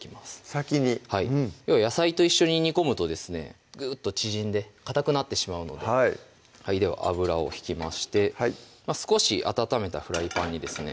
先にうん要は野菜と一緒に煮込むとですねグッと縮んでかたくなってしまうのででは油を引きまして少し温めたフライパンにですね